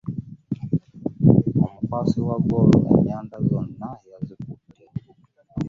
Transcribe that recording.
Omukwasi wa ggoolo ennyanda zonna yazikutte.